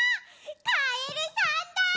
カエルさんだ！